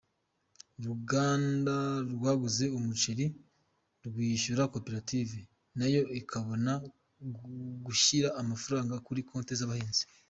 Uruganda rwaguze umuceri rwishyura Koperative, nayo ikabona gushyira amafaranga kuri konti z’abahinzi.